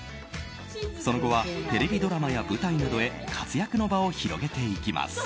その後はテレビドラマや舞台などへ活躍の場を広げていきます。